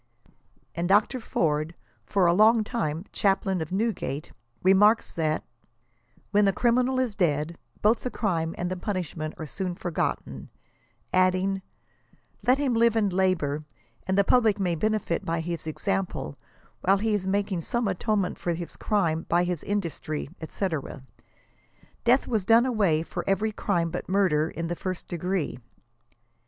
And Dr. Forde, for a long time Chaplain of Newgate, remarks that " when the criminal is dead, both the crime •and the punishment are soon forgotten 5" adding, "let him live and labor, and the public may benefit by his example, while he is making some atonement for his crime by his industry," &c. 8 86 deuth was done away for every crime but murder in the first degree.